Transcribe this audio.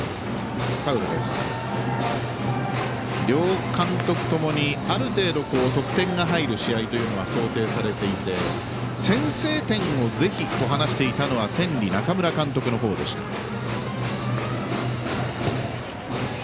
両監督ともに、ある程度得点が入る試合というのは想定されていて先制点をぜひと話していたのは天理、中村監督のほうでした。